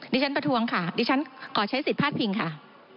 ดิฉันประทวงค่ะดิฉันขอใช้สิทธิ์พัสพิงค่ะ